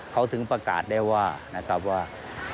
เขาถึงประกาศได้ว่า